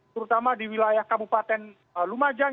terutama di wilayah kabupaten lumajang